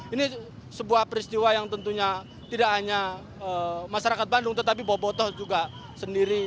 ini sebuah peristiwa yang tentunya tidak hanya masyarakat bandung tetapi bobotoh juga sendiri